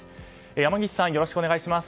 山岸さん、よろしくお願いします。